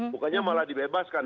bukannya malah dibebaskan